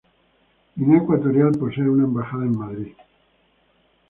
Guinea Ecuatorial posee una embajada en Madrid.